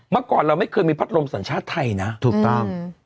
เมื่อก่อนเราไม่เคยมีพัดลมสัญชาติไทยนะถูกต้อง